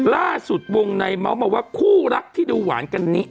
ล่าสุดวงในเมาส์มาว่าคู่รักที่ดูหวานกันนี้